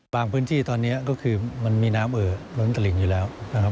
พื้นที่ตอนนี้ก็คือมันมีน้ำเอ่อล้นตลิงอยู่แล้วนะครับ